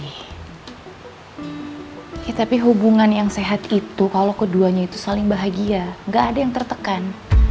tapi hubungan yang sehat itu kalau keduanya itu saling bahagia nggak ada yang tertekan